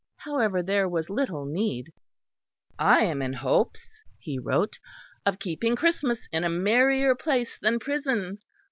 However there was little need. "I am in hopes," he wrote, "of keeping Christmas in a merrier place than prison.